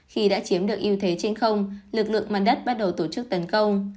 khi đã chiếm được ưu thế trên không lực lượng mặt đất bắt đầu tổ chức tấn công